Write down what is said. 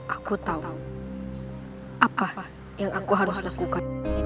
aku tahu apa yang aku harus lakukan